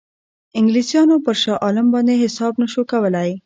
انګلیسانو پر شاه عالم باندې حساب نه شو کولای.